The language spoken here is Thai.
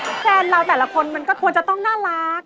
แฟนเราแต่ละคนมันก็ควรจะต้องน่ารัก